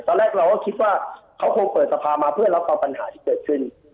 ตอนแรกเราก็คิดว่าเขาคงเปิดสภามาเพื่อรับฟังปัญหาที่เกิดขึ้น